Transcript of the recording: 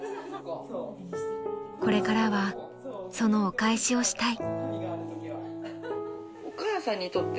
［これからはそのお返しをしたい］